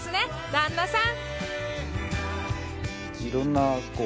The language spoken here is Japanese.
旦那さん